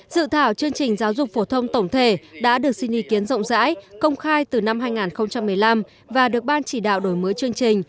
dự thảo chương trình giáo dục phổ thông tổng thể đã được xin ý kiến rộng rãi công khai từ năm hai nghìn một mươi năm và được ban chỉ đạo đổi mới chương trình